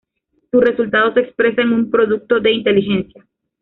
Su resultado se expresa en un producto de inteligencia.